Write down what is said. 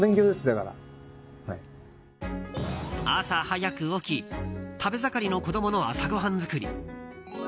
朝早く起き食べ盛りの子供の朝ごはん作り。